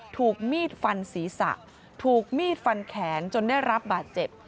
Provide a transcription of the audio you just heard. ถูกมีดฟันศีรษะถูกมีดฟันแขนจนได้รับบาดเจ็บ